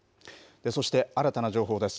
そして、新たな情報です。